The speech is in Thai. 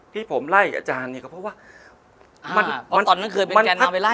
ที่ผมไล่อาจารย์เนี้ยก็เพราะว่าอ่าเพราะตอนนั้นเกิดเป็นแกนน้ำไปไล่อ่ะ